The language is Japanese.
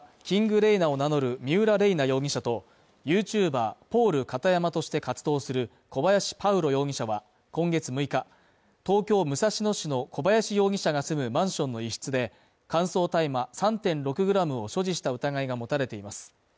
レイナを名乗る三浦伶奈容疑者と、ＹｏｕＴｕｂｅｒ、ｐａｕｌｋａｔａｙａｍａとして活動する小林巴宇呂容疑者は今月６日、東京武蔵野市の小林容疑者が住むマンションの一室で乾燥大麻３．６グラムを所持した疑いが持たれています。